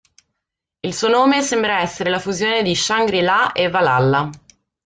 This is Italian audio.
Il suo nome sembra essere la fusione di "Shangri-La" e "Valhalla".